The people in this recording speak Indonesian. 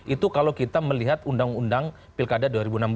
itu kalau kita melihat undang undang pilkada dua ribu enam belas